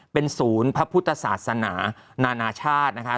เป็นศูนย์พระพุทธศาสนานานาชาตินะคะ